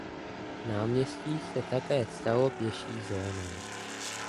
Náměstí se také stalo pěší zónou.